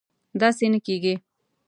داسې نه کېږي